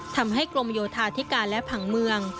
ทำให้กรมโยธาธิการและผังเมือง